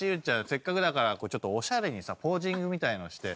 せっかくだからちょっとおしゃれにさポージングみたいのして。